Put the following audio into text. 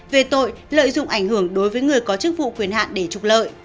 về tội lợi dụng ảnh hưởng đối với người có chức vụ quyền hạn để trục lợi